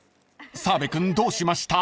澤部君どうしました？］